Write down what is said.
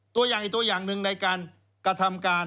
ตัวอย่างอีกตัวอย่างหนึ่งในการกระทำการ